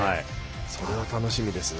それは楽しみですね。